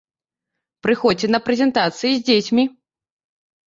Прыходзьце на прэзентацыі з дзецьмі!